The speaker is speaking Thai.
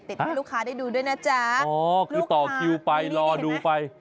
ให้ลูกค้าได้ดูด้วยนะจ๊ะอ๋อคือต่อคิวไปรอดูไป